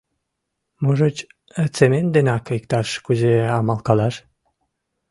Можыч, цемент денак иктаж-кузе амалкалаш?